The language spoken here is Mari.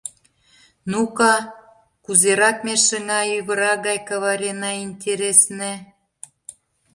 Ну-ка, кузерак ме шыҥа-ӱвыра гай каварена, интересне?